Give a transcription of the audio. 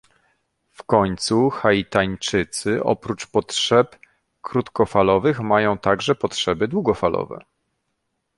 W końcu Haitańczycy oprócz potrzeb krótkofalowych mają także potrzeby długofalowe